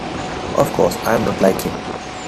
Of course I am not like him.